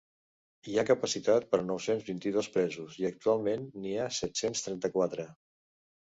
Hi ha capacitat per a nou-cents vint-i-dos presos i actualment n’hi ha set-cents trenta-quatre.